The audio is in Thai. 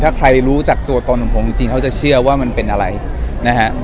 ถ้าใครรู้จักตัวตนของผมจริงเขาจะเชื่อว่ามันเป็นอะไรนะฮะ